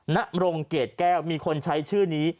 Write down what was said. นรงเกรดแก้วมีคนใช้ชื่อนี้